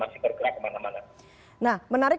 masih bergerak kemana mana nah menarik